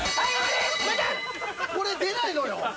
これ出ないのよ